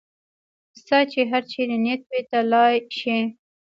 ستا چې هر چېرې نیت وي تلای شې.